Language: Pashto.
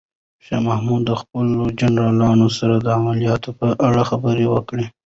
شاه محمود د خپلو جنرالانو سره د عملیاتو په اړه خبرې وکړې.